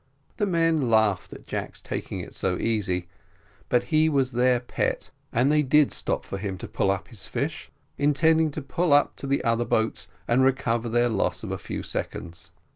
The men laughed at Jack's taking it so easy, but he was their pet; and they did stop for him to pull up his fish, intending to pull up to the other boats and recover their loss of a few seconds.